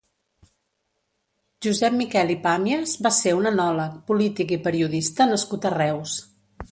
Josep Miquel i Pàmies va ser un enòleg, polític i periodista nascut a Reus.